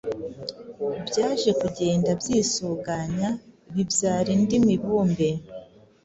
byaje kugenda byisuganya bibyara indi mibumbe